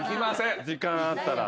時間あったら。